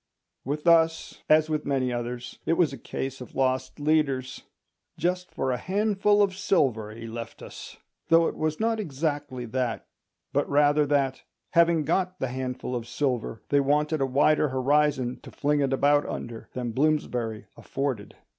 With us, as with many others, it was a case of lost leaders. "Just for a handful of silver he left us"; though it was not exactly that, but rather that, having got the handful of silver, they wanted a wider horizon to fling it about under than Bloomsbury afforded.